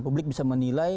publik bisa menilai